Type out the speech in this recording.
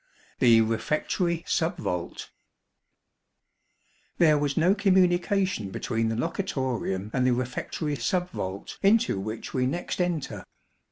The Refectory Sub vault. There was no communication between the locutorium and the refectory sub vault into which we next enter.